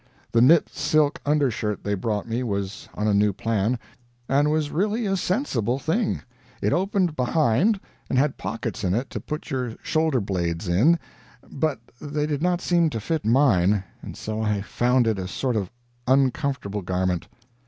The knit silk undershirt they brought me was on a new plan, and was really a sensible thing; it opened behind, and had pockets in it to put your shoulder blades in; but they did not seem to fit mine, and so I found it a sort of uncomfortable garment.